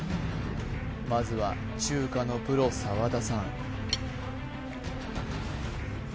まずは中華のプロ澤田さん